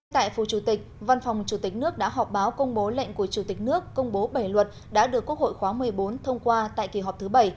tại phủ chủ tịch văn phòng chủ tịch nước đã họp báo công bố lệnh của chủ tịch nước công bố bảy luật đã được quốc hội khóa một mươi bốn thông qua tại kỳ họp thứ bảy